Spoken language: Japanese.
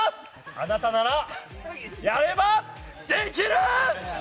あなたなら、やればできる！